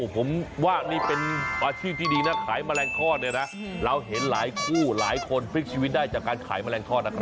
ผมว่านี่เป็นอาชีพที่ดีนะขายแมลงทอดเนี่ยนะเราเห็นหลายคู่หลายคนพลิกชีวิตได้จากการขายแมลงทอดนะครับ